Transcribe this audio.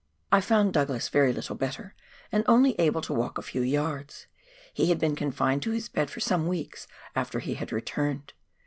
I found Douglas very little better, and only able to walk a few yards ; he had been confined to his bed for some weeks after he had returned.